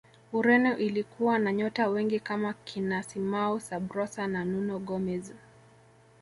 ureno ilikuwa na nyota wengi kama kina simao sabrosa na nuno gomez